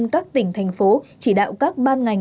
các tỉnh thành phố chỉ đạo các ban ngành